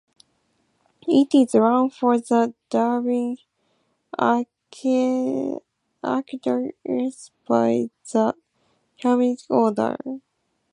It is run for the Dublin Archdiocese by the Carmelite Order.